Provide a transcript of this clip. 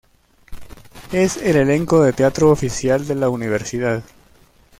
Es el elenco de teatro oficial de la universidad.